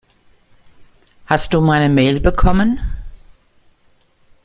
Hast du meine Mail bekommen?